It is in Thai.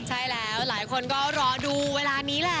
ใช่แล้วหลายคนก็รอดูเวลานี้แหละ